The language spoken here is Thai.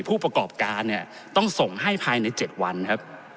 ผู้ประกอบการเนี่ยต้องส่งให้ภายใน๗วันครับ